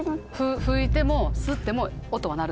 吹いても吸っても音は鳴る。